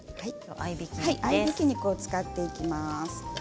合いびき肉を使っていきます。